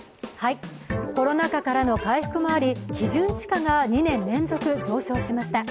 コロナ禍からの回復もあり基準地価が２年連続上昇しました。